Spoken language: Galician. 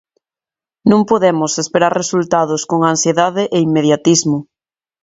Non podemos esperar resultados con ansiedade e inmediatismo.